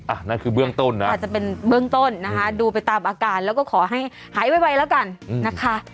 นั่นคือเบื้องต้นนะอาจจะเป็นเบื้องต้นนะคะดูไปตามอาการแล้วก็ขอให้หายไวแล้วกันนะคะ